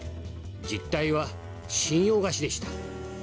実態は信用貸しでした。